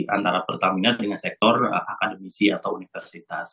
antara pertamina dengan sektor akademisi atau universitas